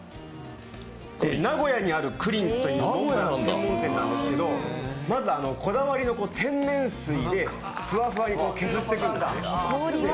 名古屋にある栗りんというモンブラン専門店なんですけどまず、こだわりの天然水でふわふわに削っていくんですね。